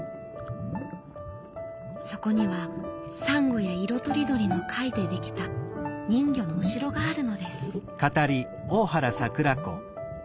そこにはサンゴや色とりどりの貝でできた人魚のお城があるのです。